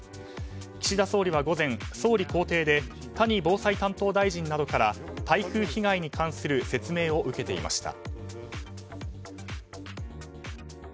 岸田総理は午前、総理公邸で谷防災担当大臣などから台風被害に関する説明を受けていました。